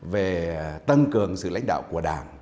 về tăng cường sự lãnh đạo của đảng